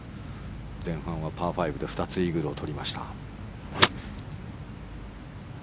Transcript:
前半はパー５で２つイーグルを取りました。